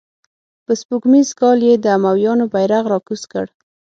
په سپوږمیز کال یې د امویانو بیرغ را کوز کړ.